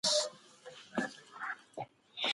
موږ په هر وخت کي زده کړي ته دوام ورکوو.